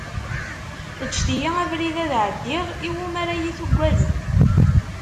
Ğǧet-iyi abrid ad ɛeddiɣ, iwumi ara yi-tugadem?